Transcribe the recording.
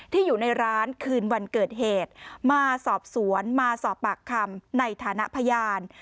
อยู่ในร้านคืนวันเกิดเหตุมาสอบสวนมาสอบปากคำในฐานะพยาน